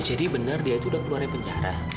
jadi benar dia sudah keluarnya penjara